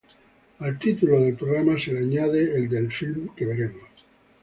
Al título del programa se le añade el del filme que veremos.